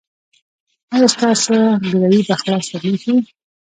ایا ستاسو ګروي به خلاصه نه شي؟